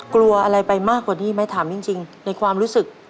กลัวอะไรไปมากกว่านี้ไหมถามจริงในความรู้สึก